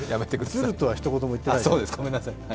ずるとはひと言も言ってないです。